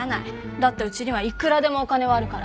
だってうちにはいくらでもお金はあるから。